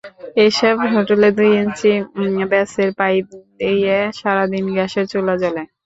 এসব হোটেলে দুই ইঞ্চি ব্যাসের পাইপ দিয়ে সারা দিন গ্যাসের চুলা জ্বলে।